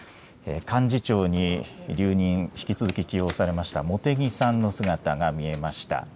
幹事長に留任、引き続き起用されました茂木さんの姿が見えました。